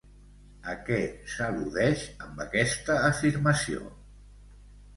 A què s'al·ludeix amb aquesta afirmació?